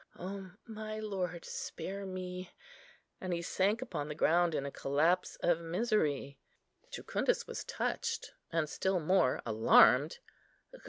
O my Lord, spare me!" and he sank upon the ground in a collapse of misery. Jucundus was touched, and still more alarmed.